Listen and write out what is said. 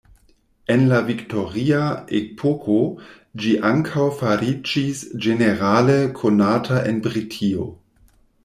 En la viktoria epoko ĝi ankaŭ fariĝis ĝenerale konata en Britio.